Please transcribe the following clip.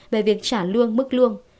về việc trả lương mức lương